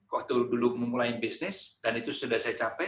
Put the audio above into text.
waktu dulu memulai bisnis dan itu sudah saya capai